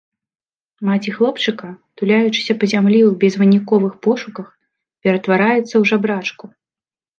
Маці хлопчыка, туляючыся па зямлі ў безвыніковых пошуках, ператвараецца ў жабрачку.